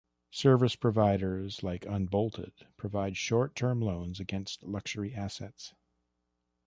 Service providers like Unbolted provide short term loans against luxury assets.